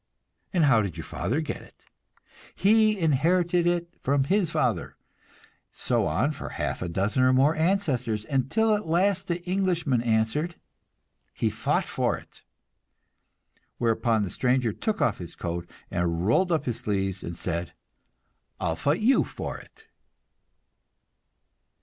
"And how did your father get it?" "He inherited it from his father." So on for half a dozen more ancestors, until at last the Englishman answered, "He fought for it." Whereupon the stranger took off his coat and rolled up his sleeves and said, "I'll fight you for it."